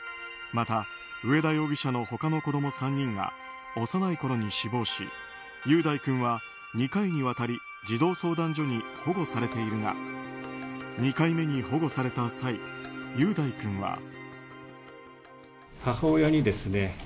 また上田容疑者の他の子供３人が幼いころに死亡し雄大君は２回にわたり児童相談所に保護されているが２回目に保護された際雄大君は。